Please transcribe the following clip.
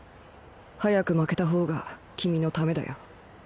早く負けたほうが君のためだよ。